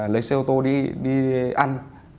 lấy xe ô tô đi ăn